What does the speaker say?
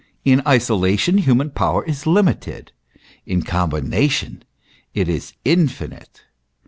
In isolation human power is limited, in combination it is infinite.